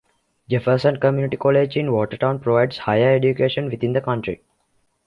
Jefferson Community College in Watertown provides higher education within the county.